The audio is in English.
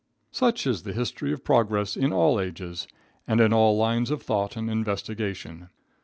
Such is the history of progress in all ages and in all lines of thought and investigation.